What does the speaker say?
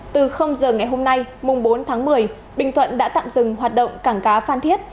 từ giờ ngày hôm nay mùng bốn tháng một mươi bình thuận đã tạm dừng hoạt động cảng cá phan thiết